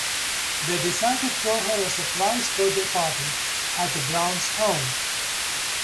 They decide to throw her a surprise birthday party at the Browns' home.